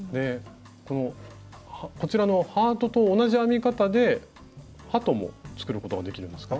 こちらのハートと同じ編み方で鳩も作ることができるんですか？